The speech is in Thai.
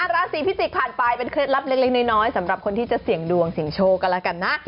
ราศีพิจิกษ์ผ่านไปเป็นเคล็ดลับเล็กน้อยสำหรับคนที่จะเสี่ยงดวงเสี่ยงโชคกันแล้วกันนะ